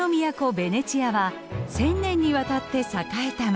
ベネチアは１，０００年にわたって栄えた街。